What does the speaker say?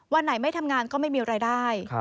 วันไหนไม่ทำงานก็ไม่มีรายได้